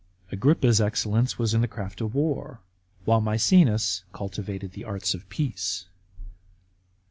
Agrippa's excellence was in the craft of war; while Maecenas cultivated the arts of peace.